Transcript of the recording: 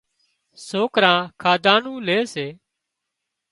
سوڪران کاڌا نُون لي سي